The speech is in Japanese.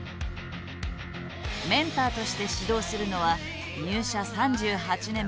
メンターとして指導するのは入社３８年目の森永英一郎。